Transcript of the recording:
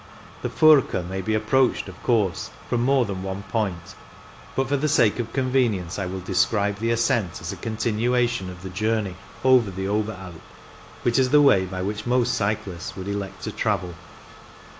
The Furka may be approached, of course, from more than one point, but for the sake of convenience I will describe the THE FURKA 115 ascent as a continuation of the journey over the Oberalp, which is the way by which most cyclists would elect to travel.